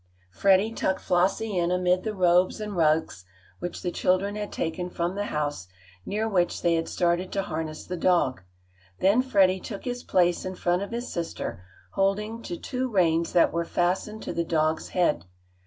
Freddie tucked Flossie in amid the robes and rugs which the children had taken from the house, near which they had started to harness the dog. Then Freddie took his place in front of his sister, holding to two reins that were fastened to the dog's head.